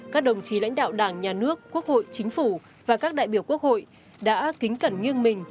các đồng chí lãnh đạo đảng nhà nước quốc hội chính phủ và các đại biểu quốc hội đã kính cẩn nghiêng mình